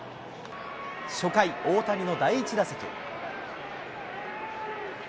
初回、大谷の第１打席。